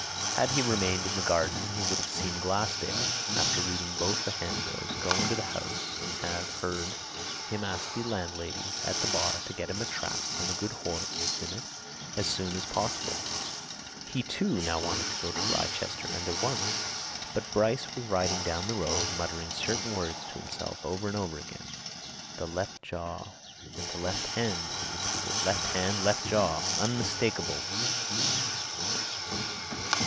Had he remained in that garden he would have seen Glassdale, after reading both the handbills, go into the house and have heard him ask the landlady at the bar to get him a trap and a good horse in it as soon as possible; he, too, now wanted to go to Wrychester and at once. But Bryce was riding down the road, muttering certain words to himself over and over again. "The left jaw and the left hand!" he repeated. "Left hand left jaw! Unmistakable!"